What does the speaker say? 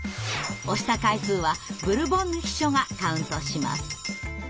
押した回数はブルボンヌ秘書がカウントします。